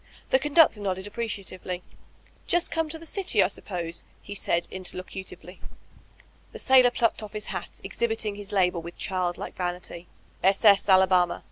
The conductor nodded appreciatively. ^Just come to the dty, I suppose/' he said interlocutively. The sailor plucked off his hat, exhibiting his label with child like vanity : "S. S. Alabama.